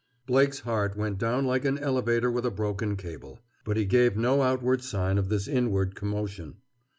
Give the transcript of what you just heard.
Blake's heart went down like an elevator with a broken cable. But he gave no outward sign of this inward commotion.